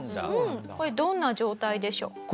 これどんな状態でしょう？